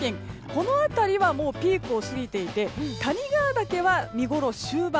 この辺りはもうピークを過ぎていて谷川岳は見ごろ終盤。